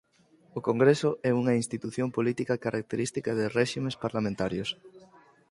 O congreso é unha institución política característica de réximes parlamentarios.